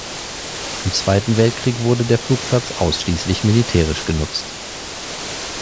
Im Zweiten Weltkrieg wurde der Flugplatz ausschließlich militärisch genutzt.